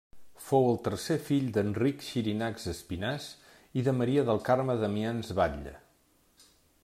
Fou el tercer fill d'Enric Xirinacs Espinàs i de Maria del Carme Damians Batlle.